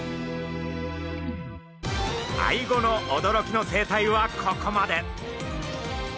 アイゴの驚きの生態はここまで。